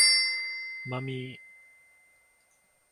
Ma mi...